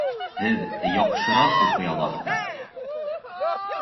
Һеҙ яҡшыраҡ уҡый алаһығыҙ